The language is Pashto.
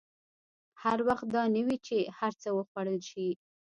هر وخت دا نه وي چې هر څه وخوړل شي.